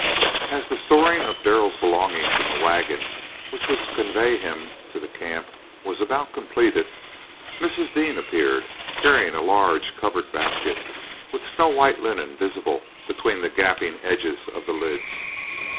As the storing of Darrell's belongings in the wagon which was to convey him to the camp was about completed, Mrs. Dean appeared, carrying a large, covered basket, with snow white linen visible between the gaping edges of the lids.